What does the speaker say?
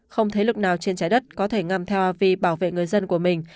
không thế lực nào trên trái đất có thể ngăn theo vì bảo vệ người dân của mình